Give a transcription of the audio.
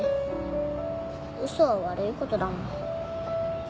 嘘は悪いことだもん。